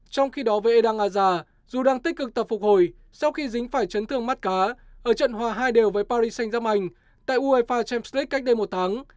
trong khi đó với edan azar dù đang tích cực tập phục hồi sau khi dính phải chấn thương mắt cá ở trận hòa hai hai với paris saint germain tại uefa champs electres cách đây một tháng